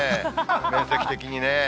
面積的にね。